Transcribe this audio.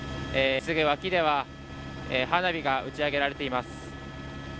すぐ脇では花火が打ち上げられています。